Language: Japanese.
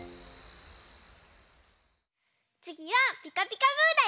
つぎは「ピカピカブ！」だよ。